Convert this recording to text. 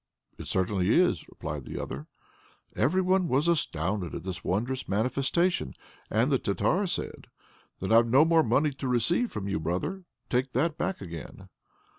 "It certainly is," replied the other. Every one was astounded at this wondrous manifestation, and the Tartar said: "Then I've no more money to receive from you, brother; take that back again."